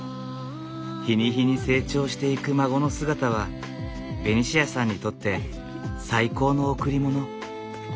日に日に成長していく孫の姿はベニシアさんにとって最高の贈り物。